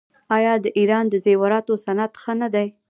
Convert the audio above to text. آیا د ایران د زیوراتو صنعت ښه نه دی؟